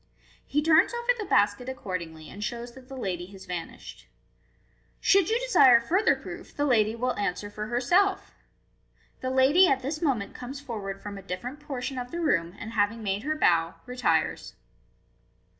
He turns over the basket accord ingly, and shows that the lady has vanished. u Should you desire further proof, the lady will answer for herself." The lady at this moment comes forward from a different portion of the room, and having made her bow, retires.